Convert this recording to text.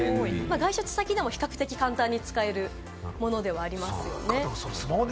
外出先でも比較的簡単に使えるものではありますね。